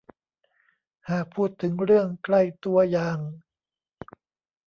หากพูดถึงเรื่องใกล้ตัวอย่าง